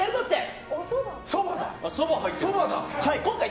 そば入ってる。